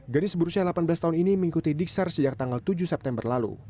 gadis berusia delapan belas tahun ini mengikuti diksar sejak tanggal tujuh september lalu